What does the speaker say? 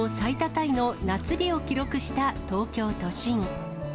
タイの夏日を記録した東京都心。